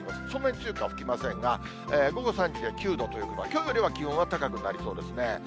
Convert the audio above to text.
そんなに強くは吹きませんが、午後３時で９度ということは、きょうよりは気温は高くなりそうですね。